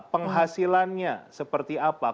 penghasilannya seperti apa